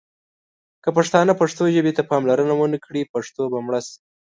که پښتانه پښتو ژبې ته پاملرنه ونه کړي ، پښتو به مړه شي.